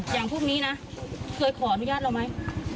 อย่างพวกนี้นะเคยขออนุญาตเราไหม